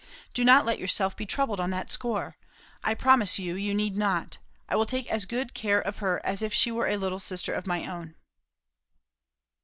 Do not let yourself be troubled on that score. I promise you, you need not. I will take as good care of her as if she were a little sister of my own."